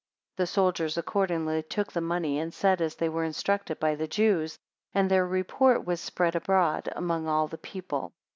17 The soldiers accordingly took the money, and said as they were instructed by the Jews; and their report was spread abroad among all the people.